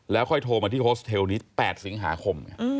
แล้วค่อยโทรมาที่โฮสเทล๘สิงหาคม